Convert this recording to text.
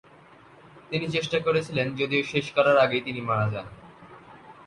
তিনি চেষ্টা করছিলেন যদিও শেষ করার আগেই তিনি মারা যান।